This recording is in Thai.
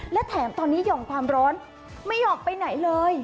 และแถมตอนนี้หย่อมความร้อนไม่ออกไปไหนเลย